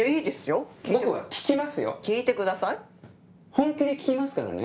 本気で聞きますからね？